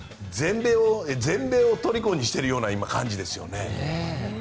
全米を虜にしているような感じですよね。